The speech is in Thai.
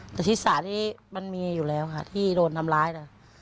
แต่ศิษย์ศาสตร์ที่มันมีอยู่แล้วค่ะที่โดนทำร้ายค่ะ